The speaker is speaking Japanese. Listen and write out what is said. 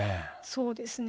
そうですね。